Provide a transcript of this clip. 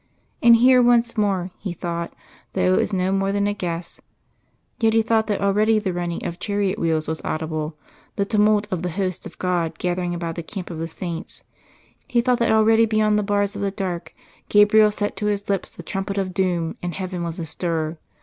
And here once more, he thought, though it was no more than a guess yet he thought that already the running of chariot wheels was audible the tumult of the hosts of God gathering about the camp of the saints he thought that already beyond the bars of the dark Gabriel set to his lips the trumpet of doom and heaven was astir.